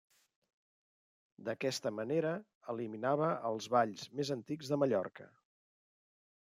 D'aquesta manera eliminava els balls més antics de Mallorca.